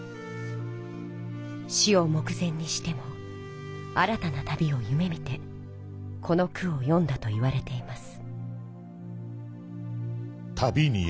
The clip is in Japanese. しを目前にしても新たな旅を夢みてこの句をよんだといわれています。